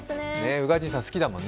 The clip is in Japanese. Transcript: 宇賀神さん、好きだもんね。